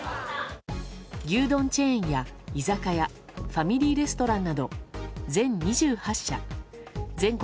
牛丼チェーンや居酒屋ファミリーレストランなど全２８社全国